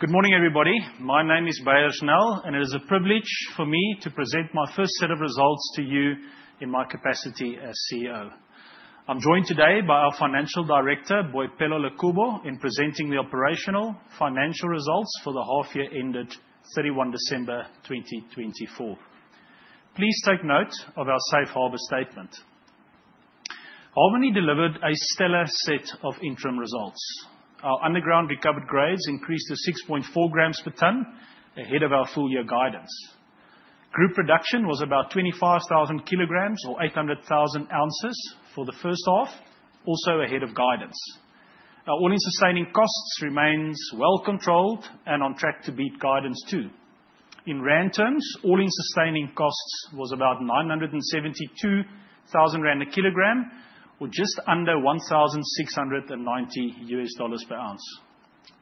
Good morning, everybody. My name is Beyers Nel, and it is a privilege for me to present my first set of results to you in my capacity as CEO. I'm joined today by our Financial Director, Boipelo Lekubo, in presenting the operational financial results for the half-year ended 31 December 2024. Please take note of our Safe Harbour statement. Harmony delivered a stellar set of interim results. Our underground recovered grades increased to 6.4 grams per tonne, ahead of our full-year guidance. Group production was about 25,000 kg, or 800,000 oz, for the first half, also ahead of guidance. Our all-in sustaining costs remains well controlled and on track to beat guidance too. In rand terms, all-in sustaining costs was about 972,000 rand a kilogram, or just under $1,690 per ounce.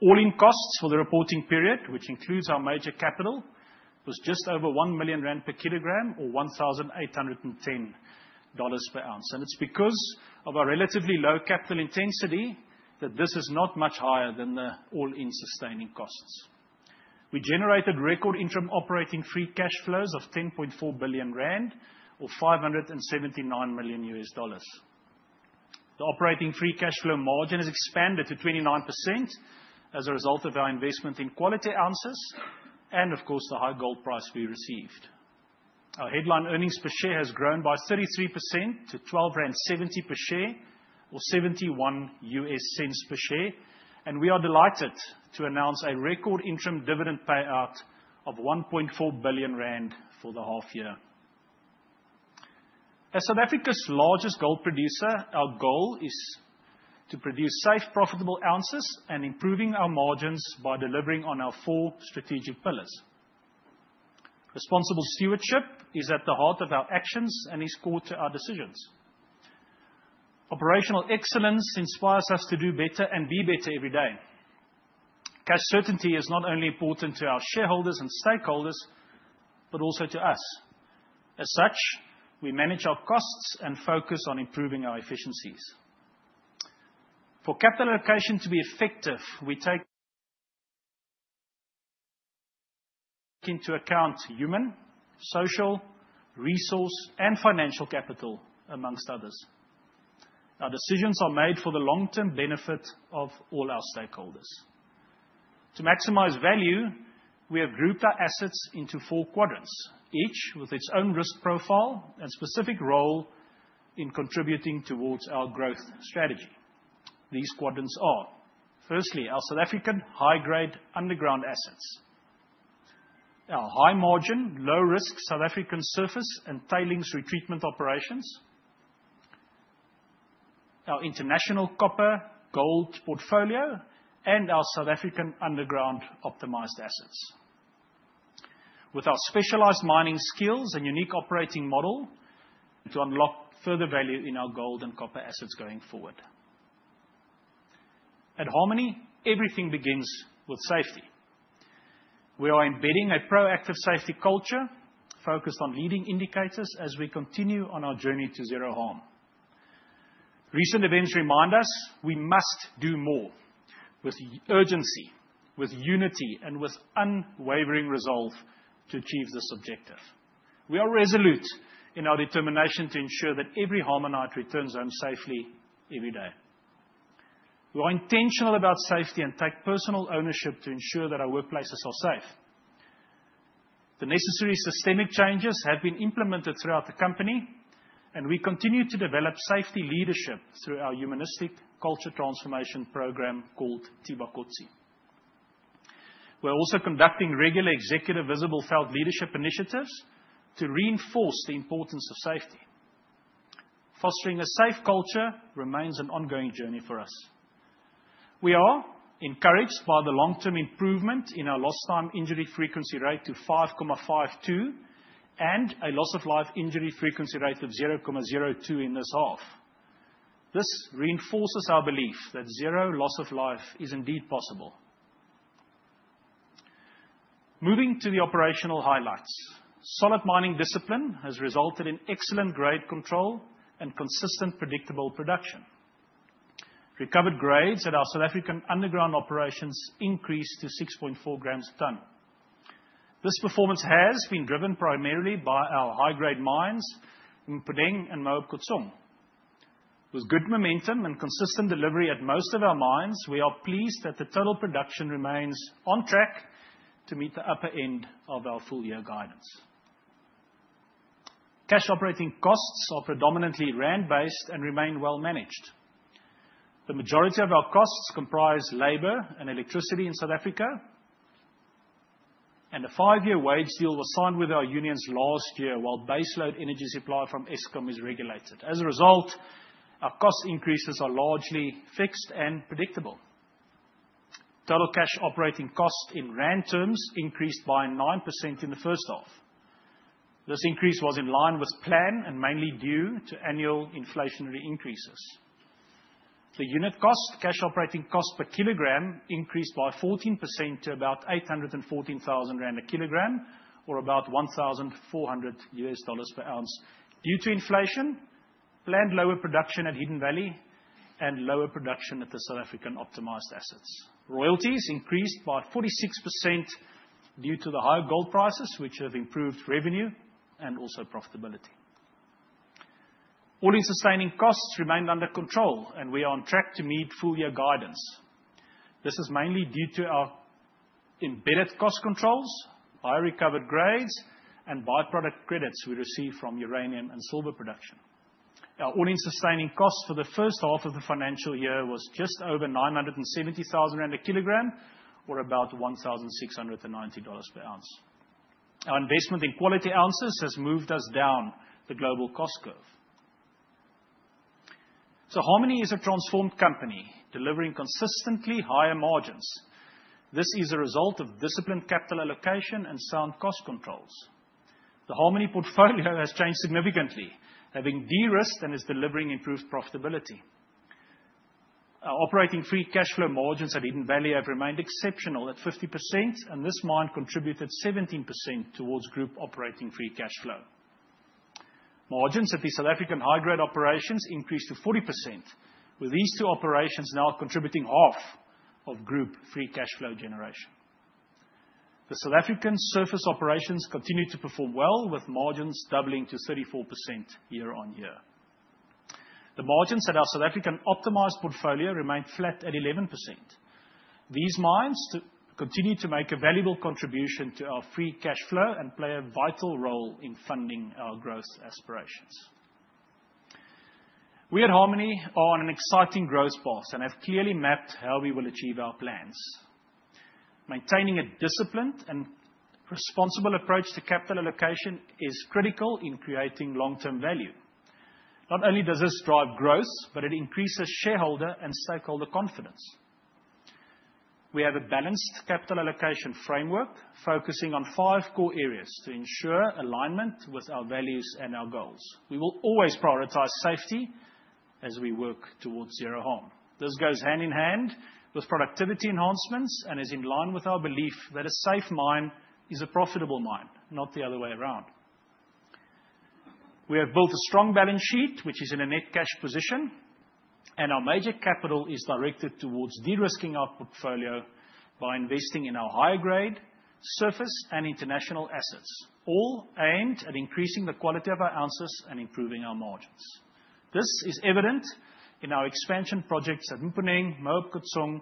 All-in costs for the reporting period, which includes our major capital, was just over 1 million rand per kilogram, or $1,810 per ounce, and it's because of our relatively low capital intensity that this is not much higher than the all-in sustaining costs. We generated record interim operating free cash flows of 10.4 billion rand, or $579 million. The operating free cash flow margin has expanded to 29% as a result of our investment in quality ounces and, of course, the high gold price we received. Our headline earnings per share has grown by 33% to 12.70 rand per share, or $0.71 per share, and we are delighted to announce a record interim dividend payout of 1.4 billion rand for the half-year. As South Africa's largest gold producer, our goal is to produce safe, profitable ounces and improving our margins by delivering on our four strategic pillars. Responsible stewardship is at the heart of our actions and is core to our decisions. Operational excellence inspires us to do better and be better every day. Cash certainty is not only important to our shareholders and stakeholders, but also to us. As such, we manage our costs and focus on improving our efficiencies. For capital allocation to be effective, we take into account human, social, resource, and financial capital, among others. Our decisions are made for the long-term benefit of all our stakeholders. To maximize value, we have grouped our assets into four quadrants, each with its own risk profile and specific role in contributing towards our growth strategy. These quadrants are, firstly, our South African high-grade underground assets, our high-margin, low-risk South African surface and tailings retreatment operations, our international copper-gold portfolio, and our South African underground optimized assets. With our specialized mining skills and unique operating model, to unlock further value in our gold and copper assets going forward. At Harmony, everything begins with safety. We are embedding a proactive safety culture focused on leading indicators as we continue on our journey to Zero Harm. Recent events remind us we must do more with urgency, with unity, and with unwavering resolve to achieve this objective. We are resolute in our determination to ensure that every Harmonite returns home safely every day. We are intentional about safety and take personal ownership to ensure that our workplaces are safe. The necessary systemic changes have been implemented throughout the company, and we continue to develop safety leadership through our humanistic culture transformation program called Thibakotsi. We're also conducting regular executive Visible Felt Leadership initiatives to reinforce the importance of safety. Fostering a safe culture remains an ongoing journey for us. We are encouraged by the long-term improvement in our lost-time injury frequency rate to 5.52 and a loss-of-life injury frequency rate of 0.02 in this half. This reinforces our belief that zero loss of life is indeed possible. Moving to the operational highlights, solid mining discipline has resulted in excellent grade control and consistent predictable production. Recovered grades at our South African underground operations increased to 6.4 grams per tonne. This performance has been driven primarily by our high-grade mines in Mponeng and Moab Khotsong. With good momentum and consistent delivery at most of our mines, we are pleased that the total production remains on track to meet the upper end of our full-year guidance. Cash operating costs are predominantly rand-based and remain well managed. The majority of our costs comprise labor and electricity in South Africa, and a five-year wage deal was signed with our unions last year while baseload energy supply from Eskom is regulated. As a result, our cost increases are largely fixed and predictable. Total cash operating cost in rand terms increased by 9% in the first half. This increase was in line with plan and mainly due to annual inflationary increases. The unit cost, cash operating cost per kilogram, increased by 14% to about 814,000 rand a kilogram, or about $1,400 per ounce due to inflation, planned lower production at Hidden Valley, and lower production at the South African optimized assets. Royalties increased by 46% due to the high gold prices, which have improved revenue and also profitability. All-in sustaining costs remained under control, and we are on track to meet full-year guidance. This is mainly due to our embedded cost controls, high recovered grades, and byproduct credits we receive from uranium and silver production. Our all-in sustaining cost for the first half of the financial year was just over 970,000 rand a kilogram, or about $1,690 per ounce. Our investment in quality ounces has moved us down the global cost curve. So Harmony is a transformed company, delivering consistently higher margins. This is a result of disciplined capital allocation and sound cost controls. The Harmony portfolio has changed significantly, having de-risked and is delivering improved profitability. Our operating free cash flow margins at Hidden Valley have remained exceptional at 50%, and this mine contributed 17% towards group operating free cash flow. Margins at the South African high-grade operations increased to 40%, with these two operations now contributing half of group free cash flow generation. The South African surface operations continue to perform well, with margins doubling to 34% year-on-year. The margins at our South African optimized portfolio remained flat at 11%. These mines continue to make a valuable contribution to our free cash flow and play a vital role in funding our growth aspirations. We at Harmony are on an exciting growth path and have clearly mapped how we will achieve our plans. Maintaining a disciplined and responsible approach to capital allocation is critical in creating long-term value. Not only does this drive growth, but it increases shareholder and stakeholder confidence. We have a balanced capital allocation framework focusing on five core areas to ensure alignment with our values and our goals. We will always prioritize safety as we work towards zero harm. This goes hand in hand with productivity enhancements and is in line with our belief that a safe mine is a profitable mine, not the other way around. We have built a strong balance sheet, which is in a net cash position, and our major capital is directed towards de-risking our portfolio by investing in our high-grade surface and international assets, all aimed at increasing the quality of our ounces and improving our margins. This is evident in our expansion projects at Mponeng, Moab Khotsong,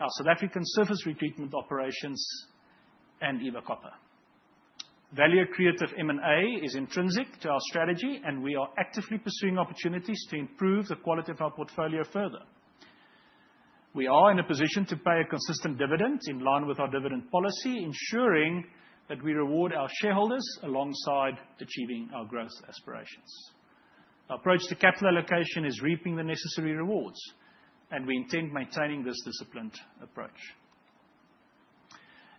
our South African surface retreatment operations, and Eva Copper. Value accretive M&A is intrinsic to our strategy, and we are actively pursuing opportunities to improve the quality of our portfolio further. We are in a position to pay a consistent dividend in line with our dividend policy, ensuring that we reward our shareholders alongside achieving our growth aspirations. Our approach to capital allocation is reaping the necessary rewards, and we intend maintaining this disciplined approach.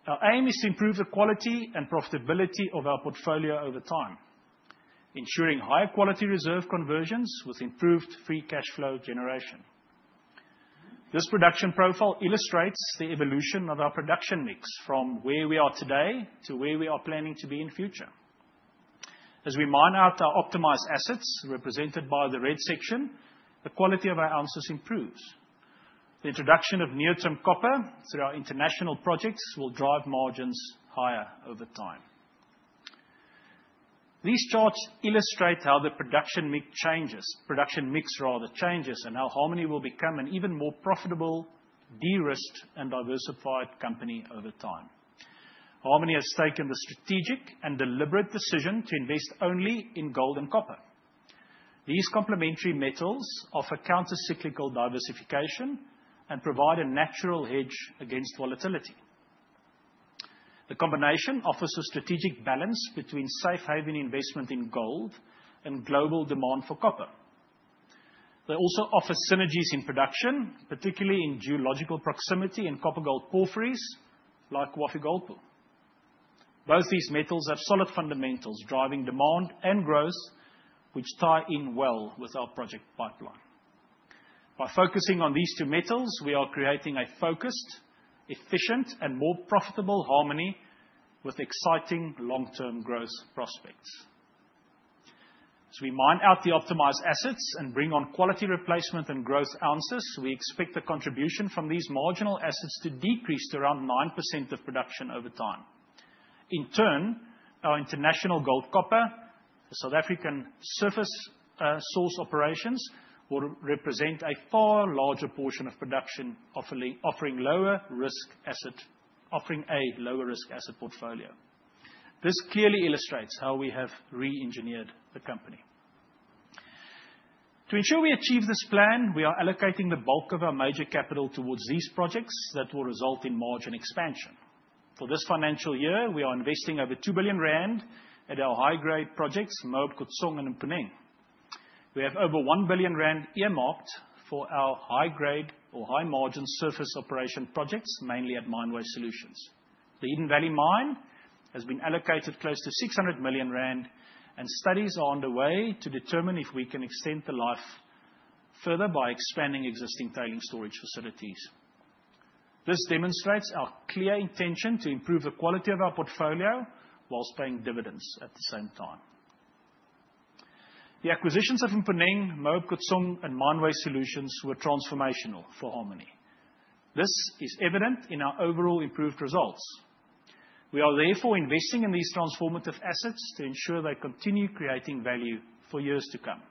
Our aim is to improve the quality and profitability of our portfolio over time, ensuring high-quality reserve conversions with improved free cash flow generation. This production profile illustrates the evolution of our production mix from where we are today to where we are planning to be in the future. As we mine out our optimized assets, represented by the red section, the quality of our ounces improves. The introduction of near-term copper through our international projects will drive margins higher over time. These charts illustrate how the production mix changes, production mix rather changes, and how Harmony will become an even more profitable, de-risked, and diversified company over time. Harmony has taken the strategic and deliberate decision to invest only in gold and copper. These complementary metals offer counter-cyclical diversification and provide a natural hedge against volatility. The combination offers a strategic balance between safe-haven investment in gold and global demand for copper. They also offer synergies in production, particularly in geological proximity and copper-gold porphyries like Wafi-Golpu. Both these metals have solid fundamentals driving demand and growth, which tie in well with our project pipeline. By focusing on these two metals, we are creating a focused, efficient, and more profitable Harmony with exciting long-term growth prospects. As we mine out the optimized assets and bring on quality replacement and growth ounces, we expect the contribution from these marginal assets to decrease to around 9% of production over time. In turn, our international gold and copper, the South African surface gold operations, will represent a far larger portion of production offering a lower risk asset portfolio. This clearly illustrates how we have re-engineered the company. To ensure we achieve this plan, we are allocating the bulk of our major capital towards these projects that will result in margin expansion. For this financial year, we are investing over 2 billion rand at our high-grade projects, Moab Khotsong and Mponeng. We have over 1 billion rand earmarked for our high-grade or high-margin surface operation projects, mainly at Mine Waste Solutions. The Hidden Valley mine has been allocated close to 600 million rand, and studies are underway to determine if we can extend the life further by expanding existing tailings storage facilities. This demonstrates our clear intention to improve the quality of our portfolio while paying dividends at the same time. The acquisitions of Mponeng, Moab Khotsong, and Mine Waste Solutions were transformational for Harmony. This is evident in our overall improved results. We are therefore investing in these transformative assets to ensure they continue creating value for years to come.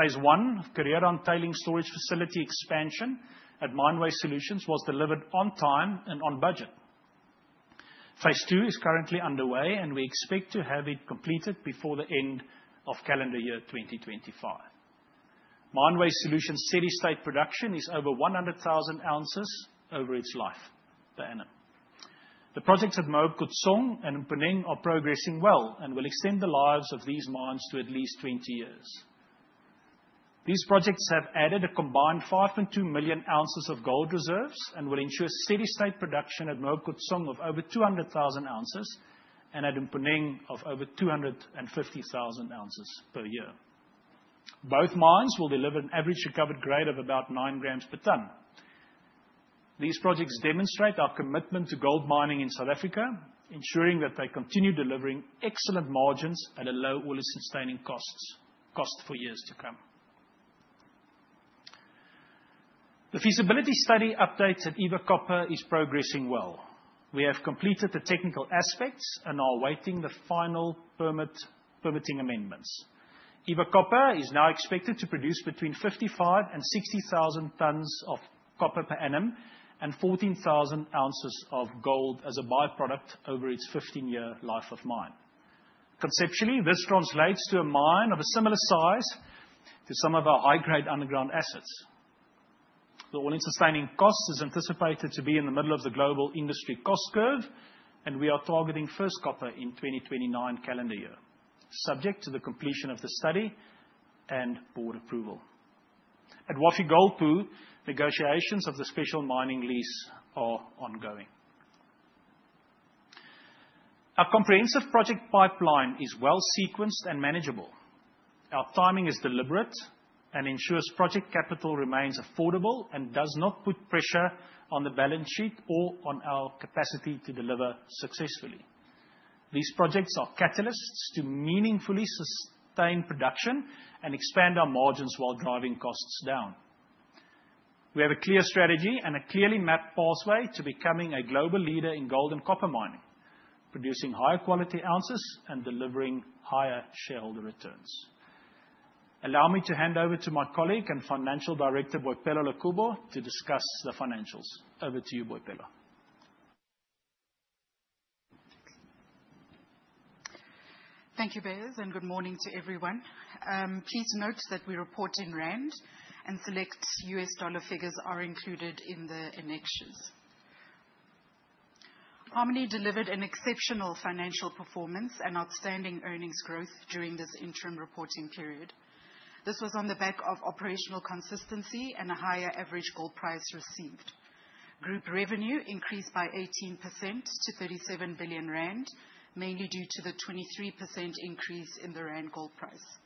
Phase one of Kareerand tailings storage facility expansion at Mine Waste Solutions was delivered on time and on budget. Phase two is currently underway, and we expect to have it completed before the end of calendar year 2025. Waste Solutions steady-state production is over 100,000 oz over its life per annum. The projects at Moab Khotsong and Mponeng are progressing well and will extend the lives of these mines to at least 20 years. These projects have added a combined 5.2 million ounces of gold reserves and will ensure steady-state production at Moab Khotsong of over 200,000 ounces and at Mponeng of over 250,000 oz per year. Both mines will deliver an average recovered grade of about nine grams per tonne. These projects demonstrate our commitment to gold mining in South Africa, ensuring that they continue delivering excellent margins at a low all-in sustaining cost for years to come. The feasibility study updates at Eva Copper is progressing well. We have completed the technical aspects and are awaiting the final permitting amendments. Eva Copper is now expected to produce between 55,000 and 60,000 tonnes of copper per annum and 14,000 oz of gold as a byproduct over its 15-year life of mine. Conceptually, this translates to a mine of a similar size to some of our high-grade underground assets. The all-in sustaining cost is anticipated to be in the middle of the global industry cost curve, and we are targeting first copper in 2029 calendar year, subject to the completion of the study and board approval. At Wafi-Golpu, negotiations of the Special Mining Lease are ongoing. Our comprehensive project pipeline is well sequenced and manageable. Our timing is deliberate and ensures project capital remains affordable and does not put pressure on the balance sheet or on our capacity to deliver successfully. These projects are catalysts to meaningfully sustain production and expand our margins while driving costs down. We have a clear strategy and a clearly mapped pathway to becoming a global leader in gold and copper mining, producing higher quality ounces and delivering higher shareholder returns. Allow me to hand over to my colleague and Financial Director, Boipelo Lekubo, to discuss the financials. Over to you, Boipelo. Thank you, Beyers, and good morning to everyone. Please note that we report in ZAR, and select US dollar figures are included in the annexures. Harmony delivered an exceptional financial performance and outstanding earnings growth during this interim reporting period. This was on the back of operational consistency and a higher average gold price received. Group revenue increased by 18% to 37 billion rand, mainly due to the 23% increase in the rand gold price.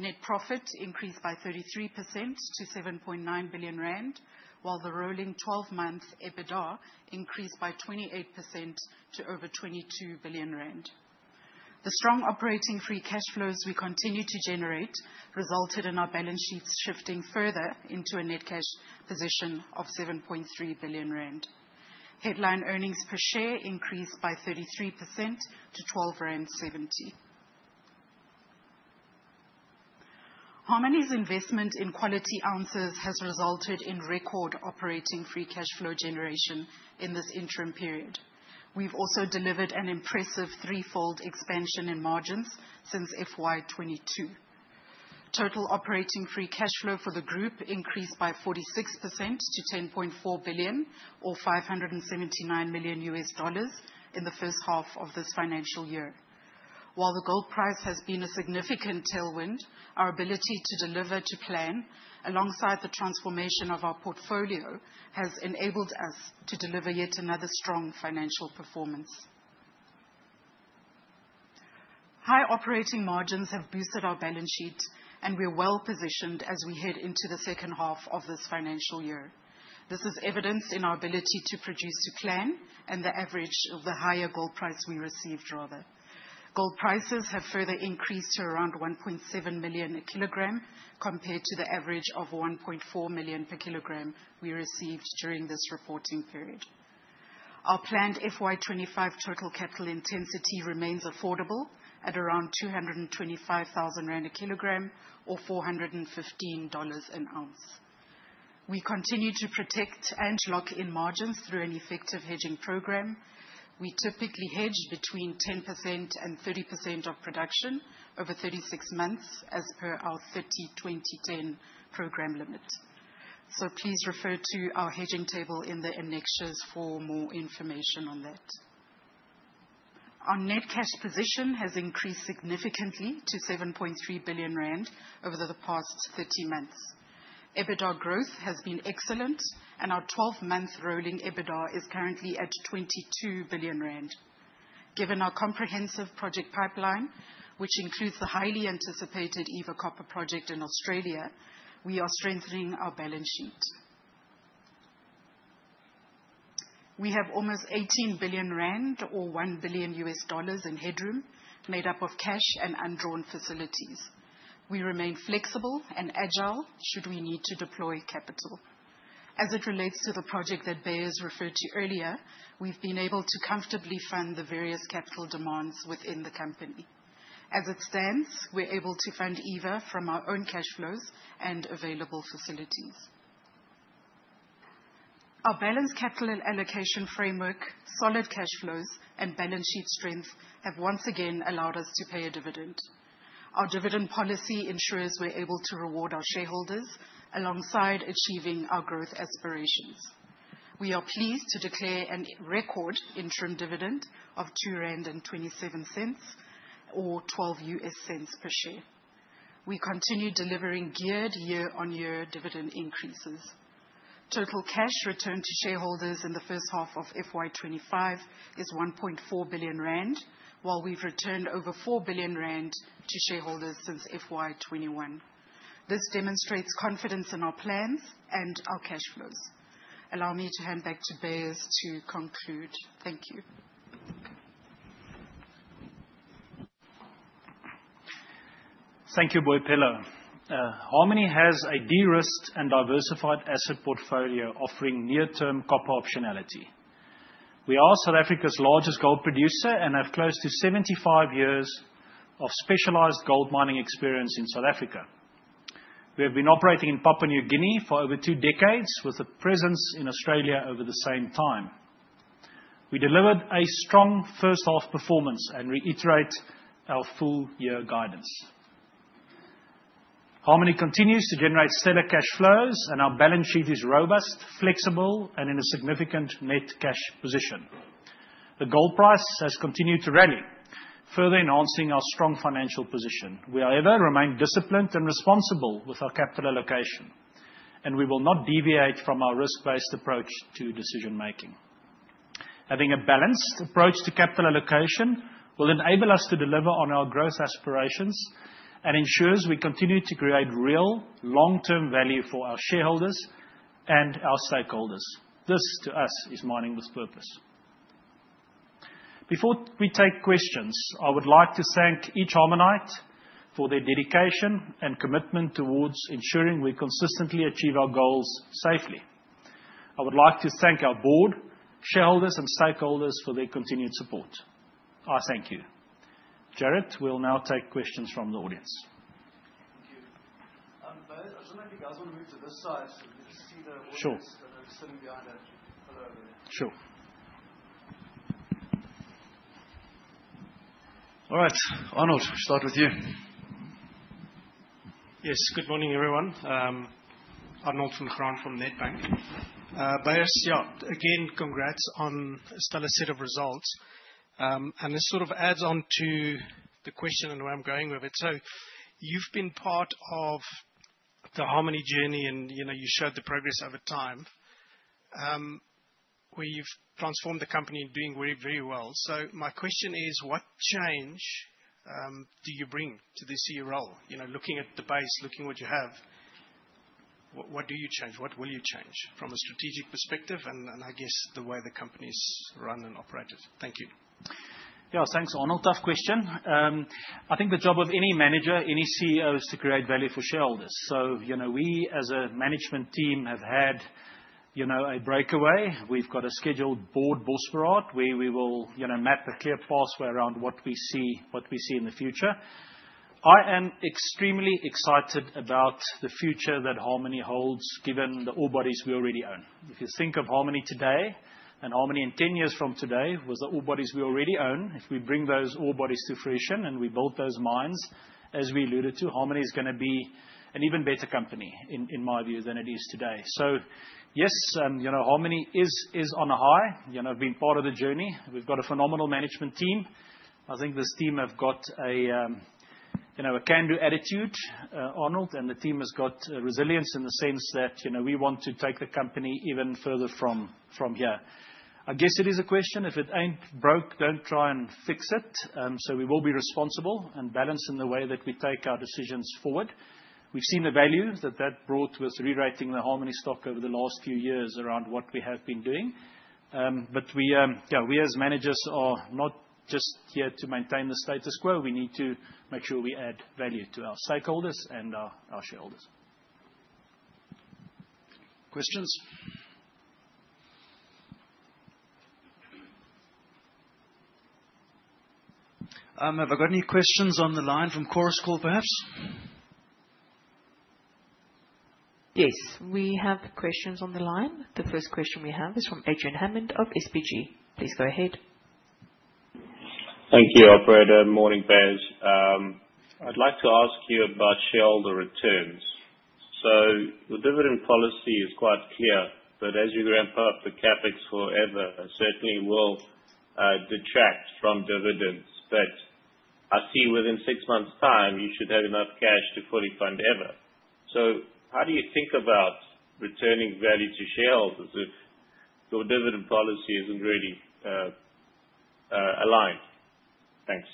Net profit increased by 33% to 7.9 billion rand, while the rolling 12-month EBITDA increased by 28% to over 22 billion rand. The strong operating free cash flows we continue to generate resulted in our balance sheets shifting further into a net cash position of 7.3 billion rand. Headline earnings per share increased by 33% to 12.70. Harmony's investment in quality ounces has resulted in record operating free cash flow generation in this interim period. We've also delivered an impressive threefold expansion in margins since FY22. Total operating free cash flow for the group increased by 46% to 10.4 billion, or $579 million, in the first half of this financial year. While the gold price has been a significant tailwind, our ability to deliver to plan alongside the transformation of our portfolio has enabled us to deliver yet another strong financial performance. High operating margins have boosted our balance sheet, and we are well positioned as we head into the second half of this financial year. This is evidenced in our ability to produce to plan and the average of the higher gold price we received, rather. Gold prices have further increased to around 1.7 million a kilogram compared to the average of 1.4 million per kilogram we received during this reporting period. Our planned FY25 total capital intensity remains affordable at around 225,000 rand a kilogram, or $415 an ounce. We continue to protect and lock in margins through an effective hedging program. We typically hedge between 10% and 30% of production over 36 months, as per our 302010 program limit. So please refer to our hedging table in the annexures for more information on that. Our net cash position has increased significantly to 7.3 billion rand over the past 30 months. EBITDA growth has been excellent, and our 12-month rolling EBITDA is currently at 22 billion rand. Given our comprehensive project pipeline, which includes the highly anticipated Eva Copper project in Australia, we are strengthening our balance sheet. We have almost 18 billion rand, or $1 billion, in headroom, made up of cash and undrawn facilities. We remain flexible and agile should we need to deploy capital. As it relates to the project that Beyers referred to earlier, we've been able to comfortably fund the various capital demands within the company. As it stands, we're able to fund Eva from our own cash flows and available facilities. Our balanced capital allocation framework, solid cash flows, and balance sheet strength have once again allowed us to pay a dividend. Our dividend policy ensures we're able to reward our shareholders alongside achieving our growth aspirations. We are pleased to declare a record interim dividend of 2.27 rand, or $0.12 per share. We continue delivering geared year-on-year dividend increases. Total cash returned to shareholders in the first half of FY25 is 1.4 billion rand, while we've returned over 4 billion rand to shareholders since FY21. This demonstrates confidence in our plans and our cash flows. Allow me to hand back to Beyers to conclude. Thank you. Thank you, Boipelo. Harmony has a de-risked and diversified asset portfolio offering near-term copper optionality. We are South Africa's largest gold producer and have close to 75 years of specialized gold mining experience in South Africa. We have been operating in Papua New Guinea for over two decades, with a presence in Australia over the same time. We delivered a strong first half performance and reiterate our full-year guidance. Harmony continues to generate steady cash flows, and our balance sheet is robust, flexible, and in a significant net cash position. The gold price has continued to rally, further enhancing our strong financial position. We, however, remain disciplined and responsible with our capital allocation, and we will not deviate from our risk-based approach to decision-making. Having a balanced approach to capital allocation will enable us to deliver on our growth aspirations and ensures we continue to create real long-term value for our shareholders and our stakeholders. This, to us, is mining with purpose. Before we take questions, I would like to thank each Harmonite for their dedication and commitment towards ensuring we consistently achieve our goals safely. I would like to thank our board, shareholders, and stakeholders for their continued support. I thank you. Jared, we'll now take questions from the audience. Thank you. Beyers, I just want to ask the guys to move to this side so we can see the audience that are sitting behind that pillar. Sure. All right, Arnold, we'll start with you. Yes, good morning, everyone. Arnold from Nedbank. Beyers, yeah, again, congrats on a stellar set of results. And this sort of adds on to the question and where I'm going with it. So you've been part of the Harmony journey, and you showed the progress over time where you've transformed the company into doing very well. So my question is, what change do you bring to this year's role? Looking at the base, looking at what you have, what do you change? What will you change from a strategic perspective and, I guess, the way the company's run and operated? Thank you. Yeah, thanks, Arnold. Tough question. I think the job of any manager, any CEO, is to create value for shareholders. So we, as a management team, have had a breakaway. We've got a scheduled board workshop where we will map a clear pathway around what we see in the future. I am extremely excited about the future that Harmony holds, given the ore bodies we already own. If you think of Harmony today and Harmony in 10 years from today with the ore bodies we already own, if we bring those ore bodies to fruition and we build those mines, as we alluded to, Harmony is going to be an even better company, in my view, than it is today. So yes, Harmony is on a high. I've been part of the journey. We've got a phenomenal management team. I think this team have got a can-do attitude, Arnold, and the team has got resilience in the sense that we want to take the company even further from here. I guess it is a question. If it ain't broke, don't try and fix it. So we will be responsible and balanced in the way that we take our decisions forward. We've seen the value that that brought with rewriting the Harmony stock over the last few years around what we have been doing. But we, as managers, are not just here to maintain the status quo. We need to make sure we add value to our stakeholders and our shareholders. Questions? Have I got any questions on the line from Chorus Call, perhaps? Yes, we have questions on the line. The first question we have is from Adrian Hammond of SBG. Please go ahead. Thank you, Operator. Morning, Beyers. I'd like to ask you about shareholder returns. So the dividend policy is quite clear, but as you ramp up the CapEx for Eva, it certainly will detract from dividends. But I see within six months' time, you should have enough cash to fully fund Eva. So how do you think about returning value to shareholders if your dividend policy isn't really aligned? Thanks.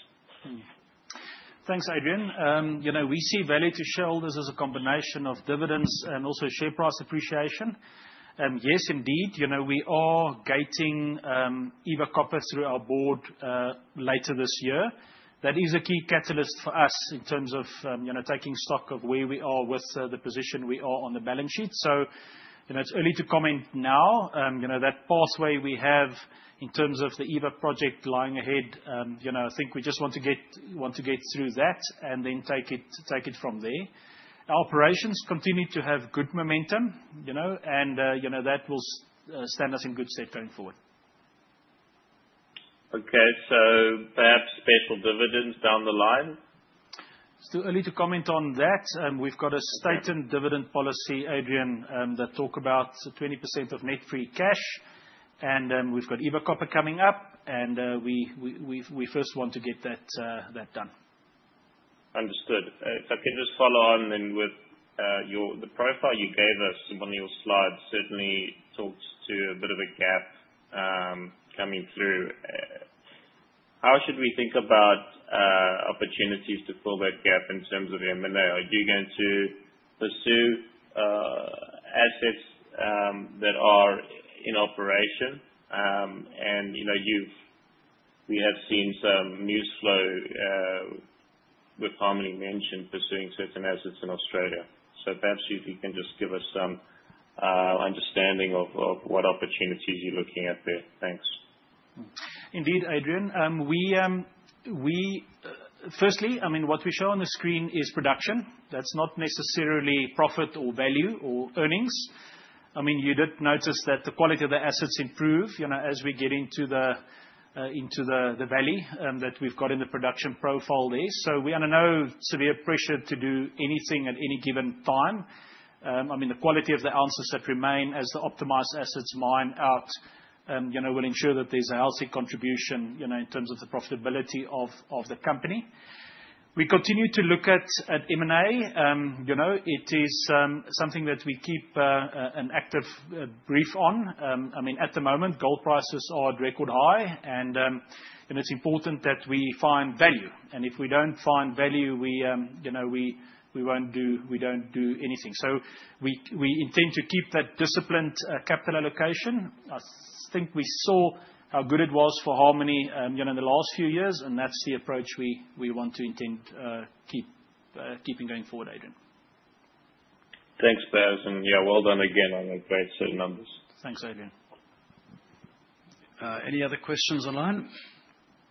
Thanks, Adrian. We see value to shareholders as a combination of dividends and also share price appreciation. Yes, indeed, we are gating Eva Copper through our board later this year. That is a key catalyst for us in terms of taking stock of where we are with the position we are on the balance sheet. So it's early to comment now. That pathway we have in terms of the Eva project lying ahead, I think we just want to get through that and then take it from there. Our operations continue to have good momentum, and that will stand us in good stead going forward. Okay, so perhaps special dividends down the line? It's too early to comment on that. We've got a stated dividend policy, Adrian, that talk about 20% of net free cash, and we've got Eva Copper coming up, and we first want to get that done. Understood. If I could just follow on then with the profile you gave us on your slide. Certainly talks to a bit of a gap coming through. How should we think about opportunities to fill that gap in terms of M&A? Are you going to pursue assets that are in operation? And we have seen some news flow with Harmony mentioned pursuing certain assets in Australia. So perhaps if you can just give us some understanding of what opportunities you're looking at there. Thanks. Indeed, Adrian. Firstly, I mean, what we show on the screen is production. That's not necessarily profit or value or earnings. I mean, you did notice that the quality of the assets improves as we get into the value that we've got in the production profile there. So we are under no severe pressure to do anything at any given time. I mean, the quality of the assets that remain as the optimized assets mine out will ensure that there's a healthy contribution in terms of the profitability of the company. We continue to look at M&A. It is something that we keep an active brief on. I mean, at the moment, gold prices are at record high, and it's important that we find value. And if we don't find value, we won't do anything. So we intend to keep that disciplined capital allocation. I think we saw how good it was for Harmony in the last few years, and that's the approach we want to intend keeping going forward, Adrian. Thanks, Beyers. And yeah, well done again on the great set of numbers. Thanks, Adrian. Any other questions online?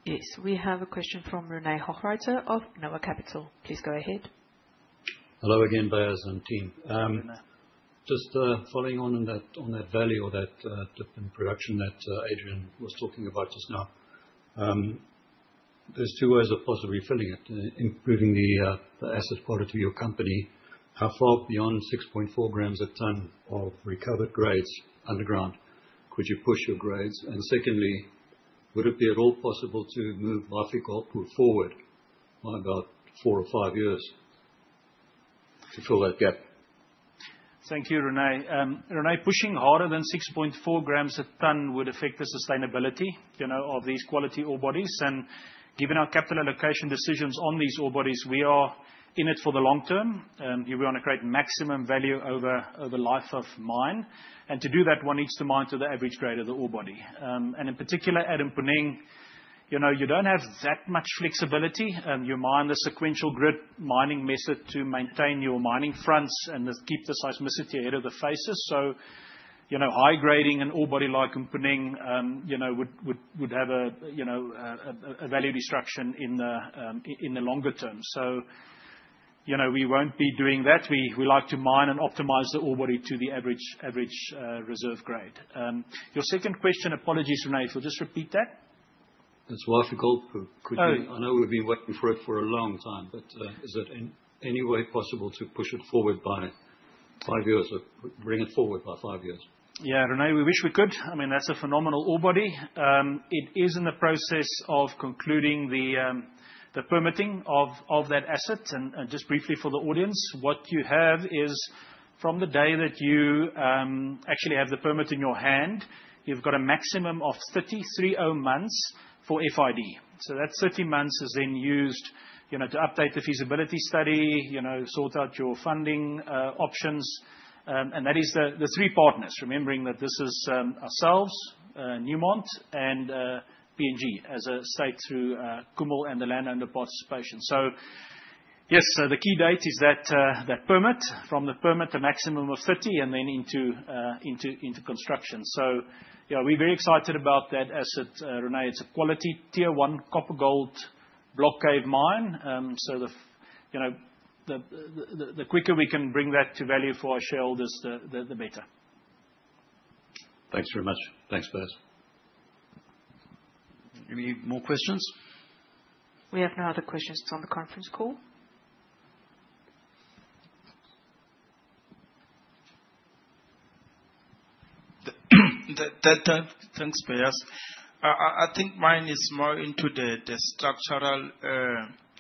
Yes, we have a question from René Hochreiter of Noah Capital. Please go ahead. Hello again, Beyers and team. Just following on that value or that production that Adrian was talking about just now, there's two ways of possibly filling it, improving the asset quality of your company. How far beyond 6.4 grams a ton of recovered grades underground could you push your grades? And secondly, would it be at all possible to move Wafi-Golpu forward by about four or five years to fill that gap? Thank you, René. René, pushing harder than 6.4 grams a ton would affect the sustainability of these quality ore bodies. Given our capital allocation decisions on these ore bodies, we are in it for the long term. We want to create maximum value over the life of mine. To do that, one needs to mine to the average grade of the ore body. In particular, at Mponeng, you don't have that much flexibility. You mine the sequential grid mining method to maintain your mining fronts and keep the seismicity ahead of the faces. High grading an ore body like Mponeng would have a value destruction in the longer term. We won't be doing that. We like to mine and optimize the ore body to the average reserve grade. Your second question, apologies, René, if you'll just repeat that. As Wafi-Golpu could be, I know we've been waiting for it for a long time, but is it in any way possible to push it forward by five years or bring it forward by five years? Yeah, René, we wish we could. I mean, that's a phenomenal ore body. It is in the process of concluding the permitting of that asset. And just briefly for the audience, what you have is from the day that you actually have the permit in your hand, you've got a maximum of 33 months for FID. So that 30 months is then used to update the feasibility study, sort out your funding options. And that is the three partners, remembering that this is ourselves, Newmont, and PNG as a state through Kumul and the landowner participation. So yes, the key date is that permit from the permit, the maximum of 30, and then into construction. So we're very excited about that asset, René. It's a quality tier one copper gold block cave mine. So the quicker we can bring that to value for our shareholders, the better. Thanks very much. Thanks, Beyers. Any more questions? We have no other questions on the conference call. Thanks, Beyers. I think mine is more into the structural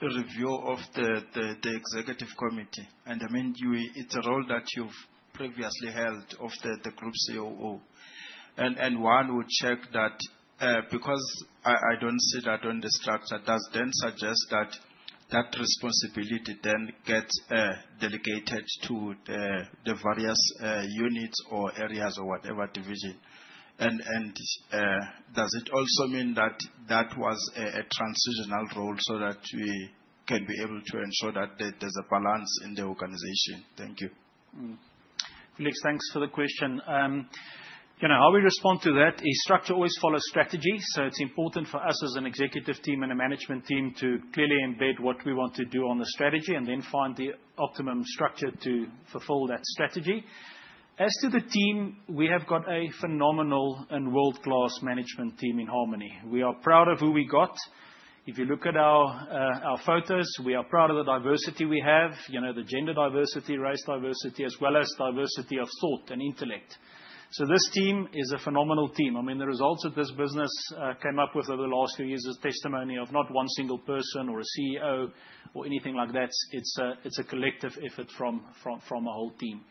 review of the executive committee. And I mean, it's a role that you've previously held of the group COO. And one would check that because I don't see that on the structure. Does then suggest that that responsibility then gets delegated to the various units or areas or whatever division? And does it also mean that that was a transitional role so that we can be able to ensure that there's a balance in the organization? Thank you. Felix, thanks for the question. How we respond to that is structure always follows strategy. So it's important for us as an executive team and a management team to clearly embed what we want to do on the strategy and then find the optimum structure to fulfill that strategy. As to the team, we have got a phenomenal and world-class management team in Harmony. We are proud of who we got. If you look at our photos, we are proud of the diversity we have, the gender diversity, race diversity, as well as diversity of thought and intellect. So this team is a phenomenal team. I mean, the results of this business came up with over the last few years is testimony of not one single person or a CEO or anything like that. It's a collective effort from a whole team.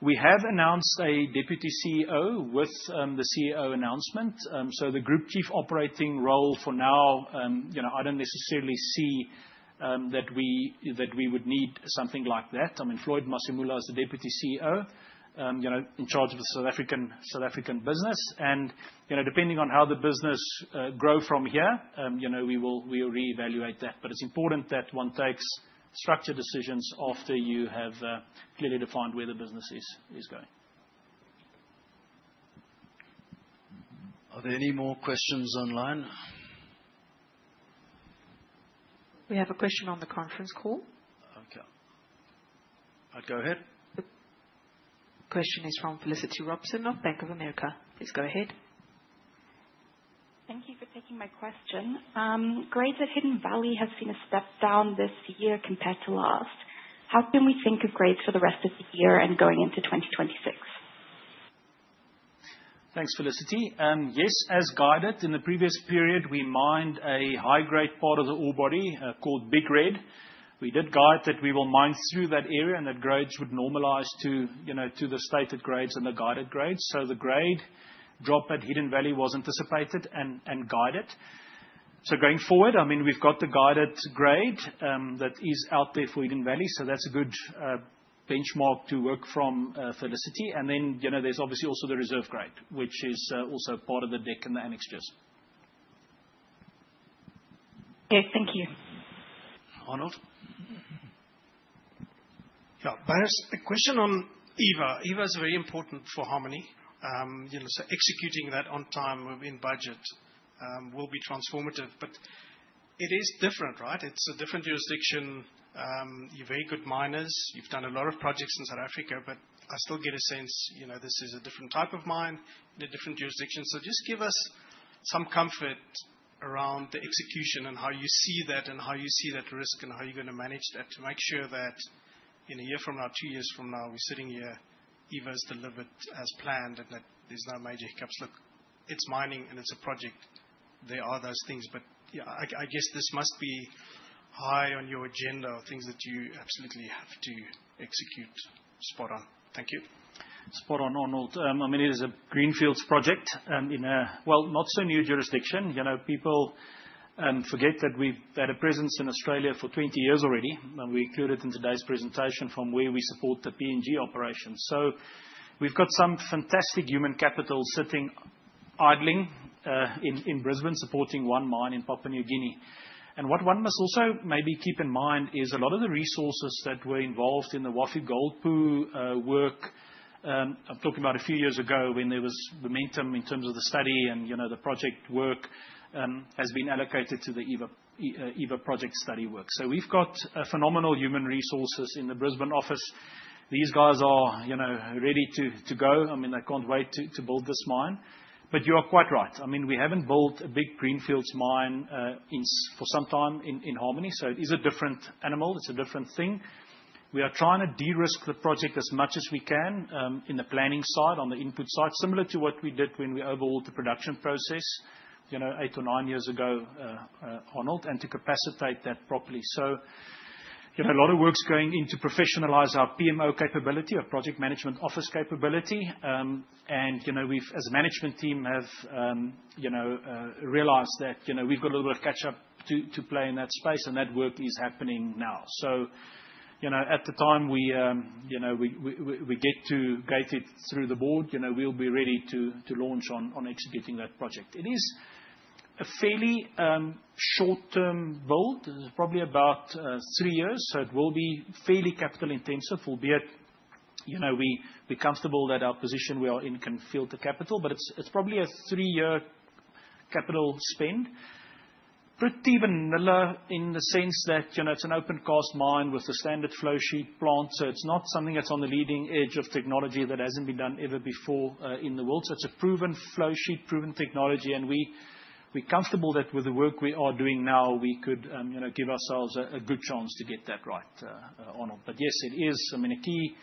We have announced a Deputy CEO with the CEO announcement. So the group chief operating role for now, I don't necessarily see that we would need something like that. I mean, Floyd Masemula is the Deputy CEO in charge of the South African business. And depending on how the business grows from here, we will reevaluate that. But it's important that one takes structured decisions after you have clearly defined where the business is going. Are there any more questions online? We have a question on the conference call. Okay. Go ahead. The question is from Felicity Robson of Bank of America. Please go ahead. Thank you for taking my question. Grades at Hidden Valley have seen a step down this year compared to last. How can we think of grades for the rest of the year and going into 2026? Thanks, Felicity. Yes, as guided, in the previous period, we mined a high-grade part of the ore body called Big Red. We did guide that we will mine through that area and that grades would normalize to the stated grades and the guided grades. So the grade drop at Hidden Valley was anticipated and guided. So going forward, I mean, we've got the guided grade that is out there for Hidden Valley. So that's a good benchmark to work from, Felicity. And then there's obviously also the reserve grade, which is also part of the deck and the annexures. Okay, thank you. Arnold. Beyers, a question on Eva. Eva is very important for Harmony. Executing that on time within budget will be transformative. It is different, right? It is a different jurisdiction. You are very good miners. You have done a lot of projects in South Africa, but I still get a sense this is a different type of mine in a different jurisdiction. Just give us some comfort around the execution and how you see that and how you see that risk and how you are going to manage that to make sure that in a year from now, two years from now, we are sitting here, Eva is delivered as planned and that there are no major hiccups. Look, it is mining and it is a project. There are those things, but I guess this must be high on your agenda or things that you absolutely have to execute. Spot on. Thank you. Spot on, Arnold. I mean, it is a greenfield project in a, well, not so new jurisdiction. People forget that we've had a presence in Australia for 20 years already. We included in today's presentation from where we support the PNG operations. So we've got some fantastic human capital sitting idling in Brisbane supporting one mine in Papua New Guinea. And what one must also maybe keep in mind is a lot of the resources that were involved in the Wafi-Golpu work, I'm talking about a few years ago when there was momentum in terms of the study and the project work has been allocated to the Eva project study work. So we've got phenomenal human resources in the Brisbane office. These guys are ready to go. I mean, they can't wait to build this mine. But you are quite right. I mean, we haven't built a big greenfields mine for some time in Harmony. So it is a different animal. It's a different thing. We are trying to de-risk the project as much as we can in the planning side, on the input side, similar to what we did when we overhauled the production process eight or nine years ago, Arnold, and to capacitate that properly. So a lot of work's going into professionalize our PMO capability, our project management office capability, and we, as a management team, have realized that we've got a little bit of catch-up to play in that space, and that work is happening now. So at the time we get to gate it through the board, we'll be ready to launch on executing that project. It is a fairly short-term build. It's probably about three years. It will be fairly capital intensive, albeit we're comfortable that our position we are in can fill the capital. But it's probably a three-year capital spend, pretty vanilla in the sense that it's an open-cast mine with a standard flowsheet plant. It's not something that's on the leading edge of technology that hasn't been done ever before in the world. It's a proven flowsheet, proven technology. We're comfortable that with the work we are doing now, we could give ourselves a good chance to get that right, Arnold. But yes, it is. I mean, a key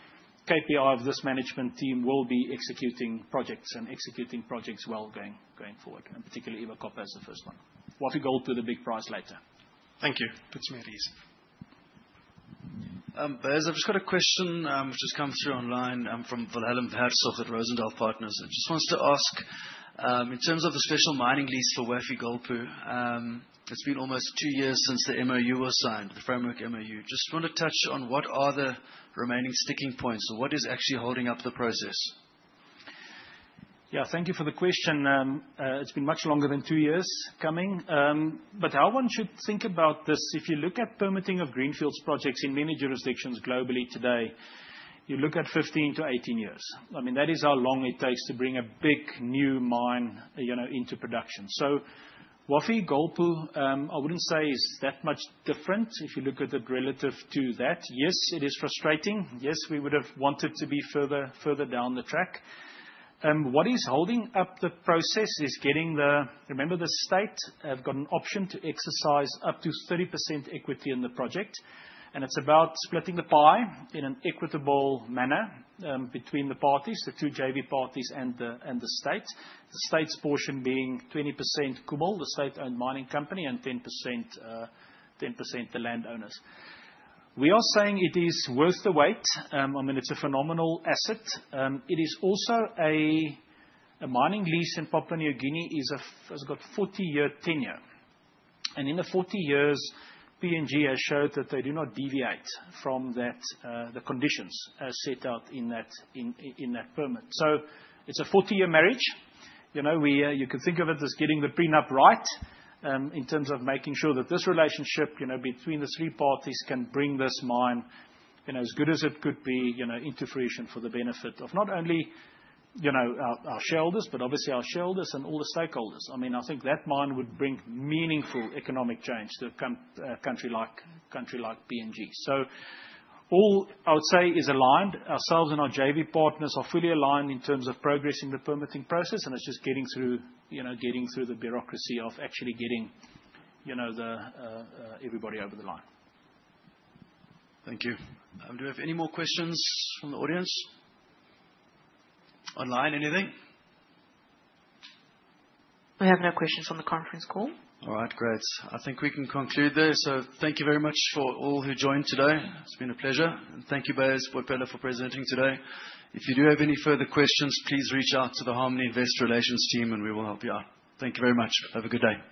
KPI of this management team will be executing projects and executing projects well going forward, and particularly Eva Copper as the first one. Wafi-Golpu, the big prize later. Thank you. Puts me at ease. Beyers, I've just got a question which has come through online from Wilhelm Hertzog at Rozendal Partners. He just wants to ask, in terms of the special mining lease for Wafi-Golpu, it's been almost two years since the MOU was signed, the framework MOU. Just want to touch on what are the remaining sticking points or what is actually holding up the process? Yeah. Thank you for the question. It's been much longer than two years coming. But how one should think about this, if you look at permitting of greenfields projects in many jurisdictions globally today, you look at 15-18 years. I mean, that is how long it takes to bring a big new mine into production. So Wafi-Golpu, I wouldn't say is that much different if you look at it relative to that. Yes, it is frustrating. Yes, we would have wanted to be further down the track. What is holding up the process is getting the, remember the state, have got an option to exercise up to 30% equity in the project. And it's about splitting the pie in an equitable manner between the parties, the two JV parties and the state, the state's portion being 20% Kumul, the state-owned mining company, and 10% the landowners. We are saying it is worth the wait. I mean, it's a phenomenal asset. It is also a mining lease in Papua New Guinea has got 40-year tenure. And in the 40 years, PNG has showed that they do not deviate from the conditions set out in that permit. So it's a 40-year marriage. You can think of it as getting the prenup right in terms of making sure that this relationship between the three parties can bring this mine as good as it could be into fruition for the benefit of not only our shareholders, but obviously our shareholders and all the stakeholders. I mean, I think that mine would bring meaningful economic change to a country like PNG. So all I would say is aligned. Ourselves and our JV partners are fully aligned in terms of progressing the permitting process. And it's just getting through the bureaucracy of actually getting everybody over the line. Thank you. Do we have any more questions from the audience? Online, anything? We have no questions on the conference call. All right, great. I think we can conclude there. So thank you very much for all who joined today. It's been a pleasure. And thank you, Beyers, for presenting today. If you do have any further questions, please reach out to the Harmony Investor Relations team, and we will help you out. Thank you very much. Have a good day.